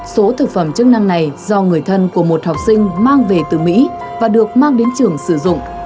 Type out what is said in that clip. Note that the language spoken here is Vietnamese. số thực phẩm chức năng này do người thân của một học sinh mang về từ mỹ và được mang đến trường sử dụng